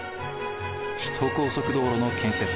首都高速道路の建設。